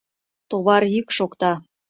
Товар йӱк шокта.